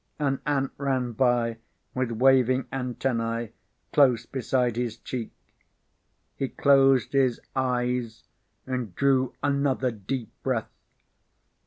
An ant ran by with waving antennae close beside his cheek. He closed his eyes and drew another deep breath.